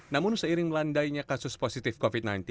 namun seiring melandainya kasus positif covid sembilan belas